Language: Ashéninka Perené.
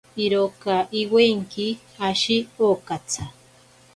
Iroka iwenki ashi okatsa.